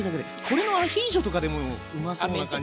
これもアヒージョとかでもうまそうな感じ。